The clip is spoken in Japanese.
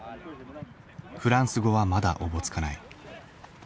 フランス語はまだおぼつかない。